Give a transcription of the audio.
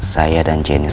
saya dan jenis